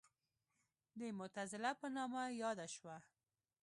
د معتزله په نامه یاده شوه.